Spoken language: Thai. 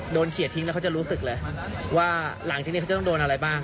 เขียนทิ้งแล้วเขาจะรู้สึกเลยว่าหลังจากนี้เขาจะต้องโดนอะไรบ้าง